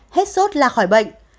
hai hết suốt là khỏi bệnh